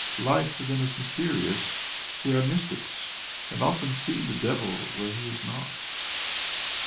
Life for them is mysterious; they are mystics and often see the devil where he is not.